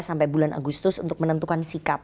sampai bulan agustus untuk menentukan sikap